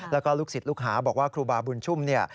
แล้วก็ลูกศิษย์ลูกหาบอกว่าครูบาบุญชุ่มเนี่ย